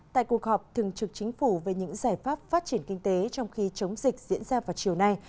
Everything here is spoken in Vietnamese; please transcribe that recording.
tại cuộc họp thường trực chính phủ về những giải pháp phát triển kinh tế trong khi chống dịch diễn ra vào chiều nay